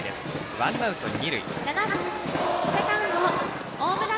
ワンアウト、二塁。